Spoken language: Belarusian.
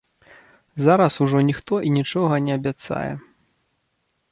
Зараз ужо ніхто і нічога не абяцае.